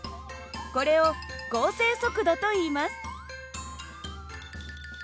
これを合成速度といいます。